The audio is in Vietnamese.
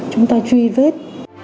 chúng ta truy vết